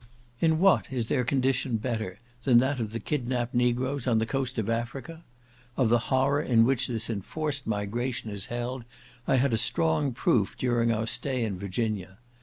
In what is their condition better than that of the kidnapped negroes on the coast of Africa? Of the horror in which this enforced migration is held I had a strong proof during our stay in Virginia.